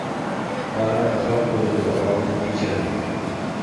• باران د خلکو د دعاوو نتیجه ده.